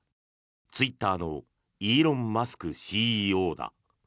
ツイッターのイーロン・マスクＣＥＯだ。